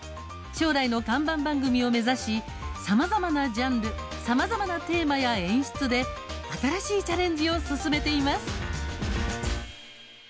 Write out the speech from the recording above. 将来の看板番組を目指しさまざまなジャンルさまざまなテーマや演出で新しいチャレンジを進めています。